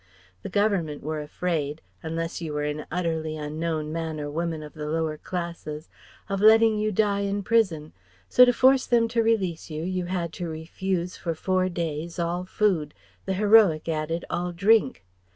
The Government were afraid (unless you were an utterly unknown man or woman of the lower classes) of letting you die in prison; so to force them to release you, you had first to refuse for four days all food the heroic added all drink.